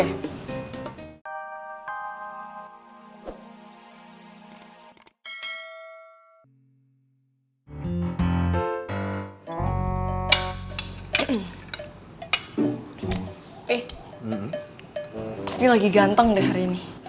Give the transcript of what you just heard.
eh tapi lagi ganteng deh hari ini